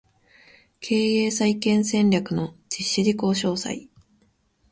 経営再建戦略の実施事項詳細